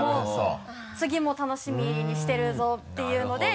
次も楽しみにしてるぞっていうので。